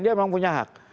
dia memang punya hak